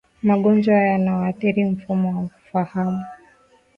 Magonjwa yanayoathiri mfumo wa fahamu